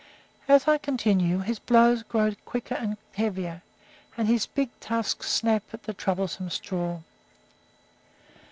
As I continue, his blows grow quicker and heavier, and his big tusks snap at the troublesome straw.